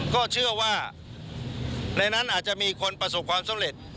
ก็เชื่อว่าในนั้นอาจจะมีคนประสบความสำเร็จ